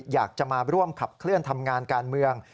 อยากจะมาร่วมขับเคลื่อนทำงานการเมือง